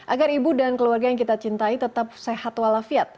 agar ibu dan keluarga yang kita cintai tetap sehat walafiat